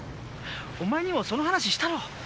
お前にもその話したろ？